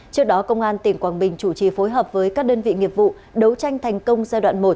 trước đó công an tỉnh quảng bình chủ trì phối hợp với các đơn vị nghiệp vụ đấu tranh thành công giai đoạn một